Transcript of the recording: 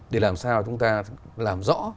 để làm sao chúng ta làm rõ